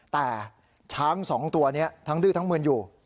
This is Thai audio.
แต่ช้าง๒ตัวนี้ทั้งดื้อทั้งมืนอยู่